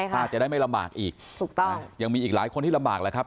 ถ้าจะได้ไม่ลำบากอีกถูกต้องยังมีอีกหลายคนที่ลำบากแล้วครับ